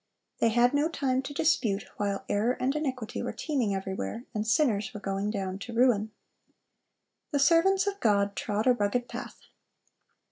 They had no time to dispute, while error and iniquity were teeming everywhere, and sinners were going down to ruin. The servants of God trod a rugged path.